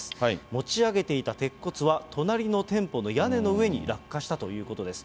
持ち上げていた鉄骨は、隣の店舗の屋根の上に落下したということです。